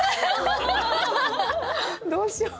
どうしよう。